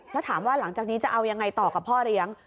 แล้วถามว่าหลังจากนี้จะเอายังไงต่อกับพ่อเลี้ยง